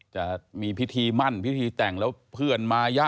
จะมีพิธีมั่นพิธีแต่งแล้วเพื่อนมายะ